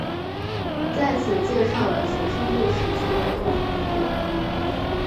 在此介绍的学生故事结尾都已毕业。